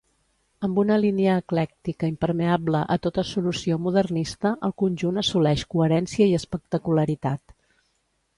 Amb una línia eclèctica impermeable a tota solució modernista el conjunt assoleix coherència i espectacularitat.